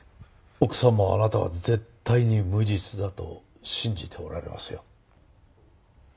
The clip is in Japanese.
奥さんもあなたは絶対に無実だと信じておられますよ。